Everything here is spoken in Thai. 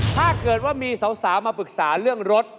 ถ้าเกิดว่ามีสาวมาปรึกษาเรื่องรถ